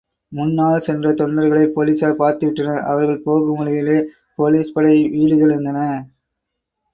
முன்னால் சென்ற தொண்டர்களை போலிஸார் பார்த்துவிட்டனர் அவர்கள் போகும் வழியிலேயே போலிஸ் படை வீடுகள் இருந்தன.